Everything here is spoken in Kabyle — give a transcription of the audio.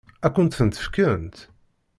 Ad kent-tent-fkent?